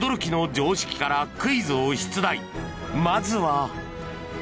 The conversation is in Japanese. ［まずは］